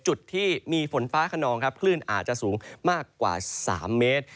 จุดที่มีฝนฟ้าขนองครับคลื่นอาจจะสูงมากกว่า๓เมตร